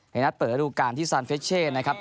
ในนัดเปิดระดูการที่ซานเฟชเช่นะครับ